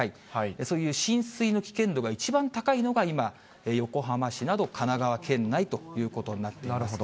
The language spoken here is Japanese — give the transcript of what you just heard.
そういう浸水の危険度が一番高いのが、今、横浜市など、神奈川県内ということになっています。